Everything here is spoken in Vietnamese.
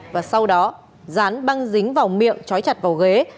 và sau đó dán băng dính vào miệng chói chặt vào ghế